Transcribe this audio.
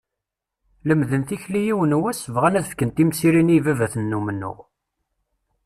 Lemden tikli yiwen wass, bɣan ad fken timsirin i ibabaten n umennuɣ.